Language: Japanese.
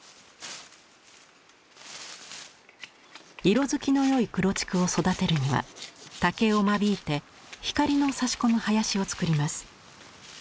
色づきの良い黒竹を育てるには竹を間引いて光のさし込む林をつくります。